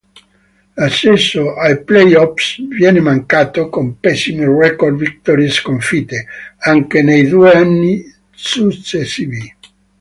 L'accesso ai playoffs viene mancato, con pessimi record vittorie-sconfitte, anche nei due anni successivi.